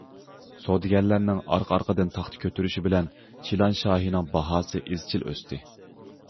سودىگەرلەرنىڭ ئارقا ئارقىدىن تاختا كۆتۈرۈشى بىلەن چىلان شاھىنىڭ باھاسى ئىزچىل ئۆستى.